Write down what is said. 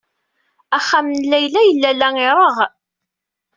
Axxam n Layla yella la ireɣɣ.